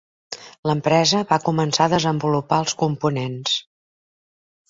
L'empresa va començara a desenvolupar els components.